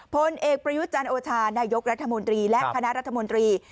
พลเอกประยุจันโอชานายกรัฐมนตรีและคณะรัฐมนตรี